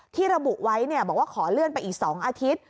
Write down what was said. ที่ระบุไว้บอกว่าขอเลื่อนไปอีก๒อาทิตย์